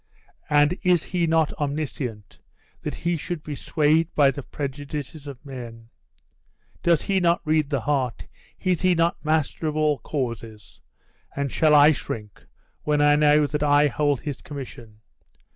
And is he not omniscient, that he should be swayed by the prejudices of men? Does he not read the heart? Is he not master of all causes? And shall I shrink when I know that I hold his commission?